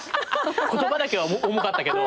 言葉だけは重かったけど。